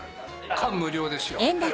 感無量ですよ。